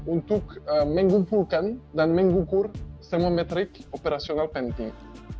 untuk mengumpulkan dan mengukur semua metrik operasional penting